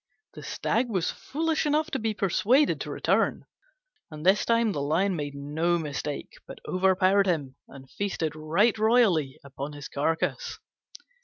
The Stag was foolish enough to be persuaded to return, and this time the Lion made no mistake, but overpowered him, and feasted right royally upon his carcase.